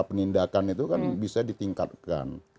penindakan itu kan bisa ditingkatkan